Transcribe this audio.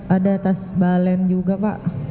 ada tas balen juga pak